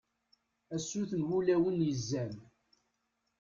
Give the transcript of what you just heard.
a sut n wulawen yezzan